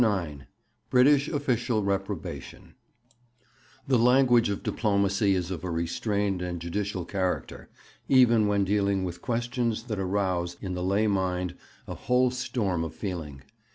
IX BRITISH OFFICIAL REPROBATION The language of diplomacy is of a restrained and judicial character, even when dealing with questions that arouse in the lay mind a whole storm of feeling.